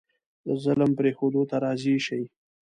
د ظلم پرېښودو ته راضي شي.